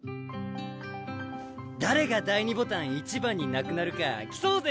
誰が第２ボタンいちばんになくなるか競おうぜ。